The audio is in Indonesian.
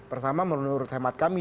pertama menurut temat kami